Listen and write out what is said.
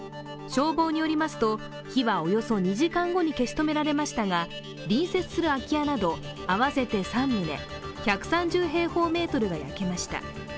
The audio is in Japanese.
消防によりますと火はおよそ２時間後に消し止められましたが隣接する空き家など合わせて３棟１３０平方メートルが焼けました。